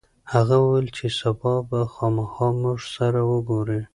هغه وویل چې سبا به خامخا موږ سره وګوري.